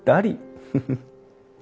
フフフッ。